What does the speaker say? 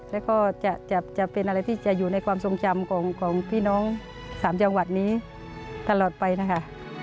แล้วก็จะเป็นอะไรที่จะอยู่ในความทรงจำของพี่น้อง๓จังหวัดนี้ตลอดไปนะคะ